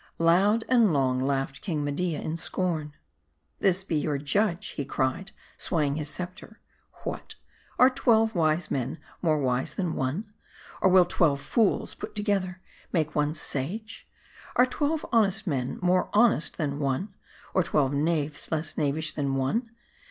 Loud and long laughed King Media in scorn. VOL. i. K i.* 218 M A R D I. " This be your judge," he cried, swaying his scepter. " What ! are twelve wise men more wise than one ? or will twelve fools, put together, make one sage ? Are twelve honest men more honest than one ? or twelve knaves less knavish than one